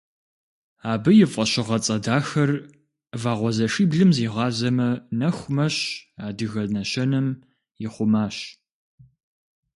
Абы и фӏэщыгъэцӏэ дахэр «Вагъуэзэшиблым зигъазэмэ, нэху мэщ» адыгэ нэщэнэм ихъумащ.